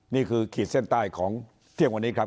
ขีดเส้นใต้ของเที่ยงวันนี้ครับ